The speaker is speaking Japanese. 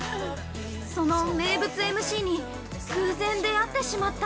その名物ＭＣに偶然出会ってしまった。